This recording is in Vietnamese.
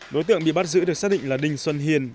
đối tượng bị bắt giữ được xác định là đinh xuân hiền